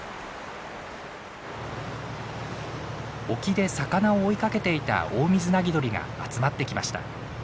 沖で魚を追いかけていたオオミズナギドリが集まってきました。